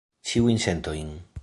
Ĉiujn sentojn.